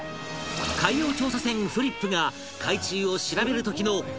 海洋調査船フリップが海中を調べる時の衝撃のスゴ技とは？